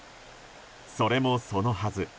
それもそのはず。